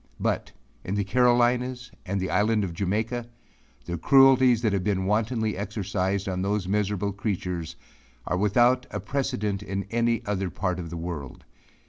But in the Carolinas and the island of Jamaica, the cruelties that have been wantonly exercised on those miserable creatures, are without a precedent in any other part of the world.